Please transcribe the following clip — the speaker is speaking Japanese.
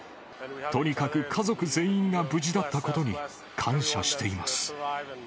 とにかく家族全員が無事だったことに、感謝しています。